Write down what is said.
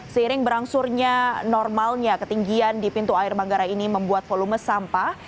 seiring berangsurnya normalnya ketinggian di pintu air manggarai ini membuat volume sampah